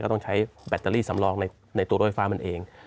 ต้องใช้แบตเตอรี่สำรองในตัวรถไฟฟ้ามันเอง